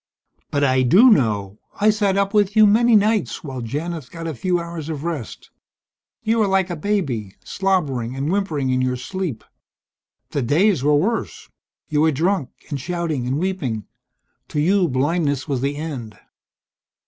"But I do know. I sat up with you many nights, while Janith got a few hours of rest. You were like a baby, slobbering and whimpering in your sleep. The days were worse. You were drunk and shouting and weeping. To you blindness was the end."